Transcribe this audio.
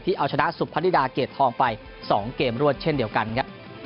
เอาชนะสุพนิดาเกรดทองไป๒เกมรวดเช่นเดียวกันครับ